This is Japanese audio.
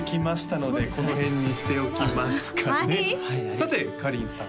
さてかりんさん